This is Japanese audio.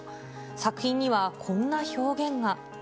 作品にはこんな表現が。